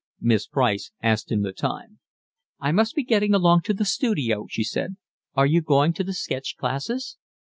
Miss Price asked him the time. "I must be getting along to the studio," she said. "Are you going to the sketch classes?"